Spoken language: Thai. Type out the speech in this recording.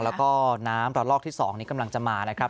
แล้วก็น้ำระลอกที่๒นี้กำลังจะมานะครับ